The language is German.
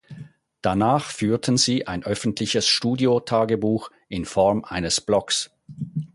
Danach führten sie ein öffentliches Studio-Tagebuch in Form eines Blogs.